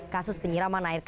masukkan ke kota jendela